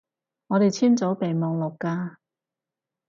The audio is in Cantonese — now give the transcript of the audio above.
我哋簽咗備忘錄㗎